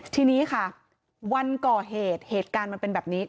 ทีนี้ค่ะวันก่อเหตุเหตุการณ์มันเป็นแบบนี้